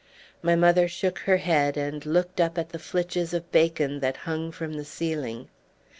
My mother shook her head, and looked up at the flitches of bacon that hung from the ceiling.